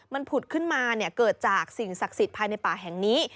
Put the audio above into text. มันผุดขึ้นมาเกิดจากสิ่งศักดิ์สิทธิ์ภายในป่าแห่งนี้